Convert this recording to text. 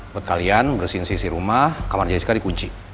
buat kalian bersihin sisi rumah kamar jessica dikunci